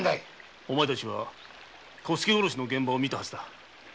お前たちは小助殺しの現場を見てる。